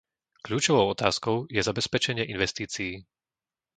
Kľúčovou otázkou je zabezpečenie investícií.